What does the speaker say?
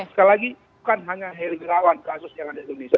sekali lagi bukan hanya heri wirawan kasus yang ada di indonesia